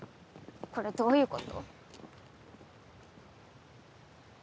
これどういうこと？